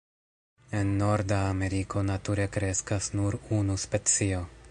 En Norda Ameriko nature kreskas nur unu specio.